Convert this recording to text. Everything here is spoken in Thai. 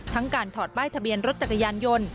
ทั้งการถอดใบ้ทะเบียนรถจักรยานยนต์